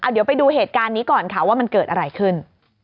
เดี๋ยวไปดูเหตุการณ์นี้ก่อนค่ะว่ามันเกิดอะไรขึ้น